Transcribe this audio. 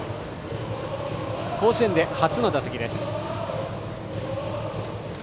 甲子園で初の打席です。